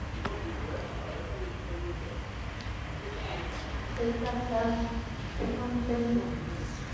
বিভিন্ন আন্তর্জাতিক টুর্নামেন্টে পদক জেতাটা বলতে গেলে অভ্যাসেই পরিণত করে ফেলেছেন বাংলাদেশের ভারোত্তোলকেরা।